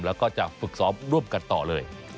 แล้วก็จะฝึกซ้อมร่วมกันต่อเลย